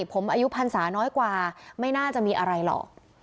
ผมอายุพันศาน้อยกว่าไม่น่าจะมีอะไรหรอก